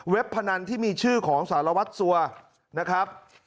เว็บพนันที่มีชื่อของสารวัสซัวร์นะครับ